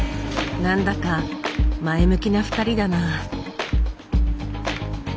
何だか前向きな２人だな。